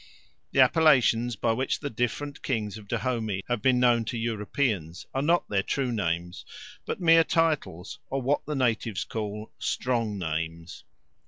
The appellations by which the different kings of Dahomey have been known to Europeans are not their true names, but mere titles, or what the natives call "strong names."